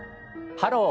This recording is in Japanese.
「ハロー！